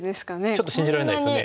ちょっと信じられないですよね。